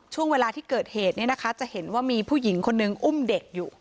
ช่วงเวลาที่เกิดเหตุเนี่ยนะคะจะเห็นว่ามีผู้หญิงคนนึงอุ้มเด็กอยู่